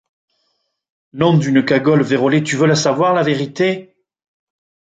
Non d’une cagole vérolée tu veux la savoir la vérité ?